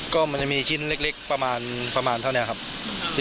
ก็มันมีชิ้นเล็กประมาณที่เล็กกว่า๒ชิ้น